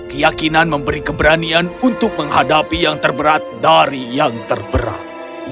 keyakinan memberi keberanian untuk menghadapi yang terberat dari yang terberat